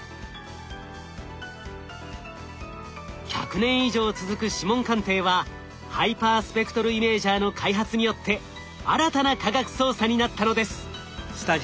１００年以上続く指紋鑑定はハイパースペクトルイメージャーの開発によって新たな科学捜査になったのです。